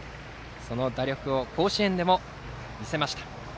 その打力を甲子園でも見せました。